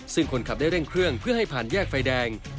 ซึ่งคนขับได้เร่งเครื่องเพื่อให้ผ่านแยกไฟแดง